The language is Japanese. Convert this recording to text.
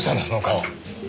その顔。